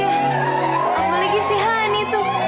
apalagi si honey tuh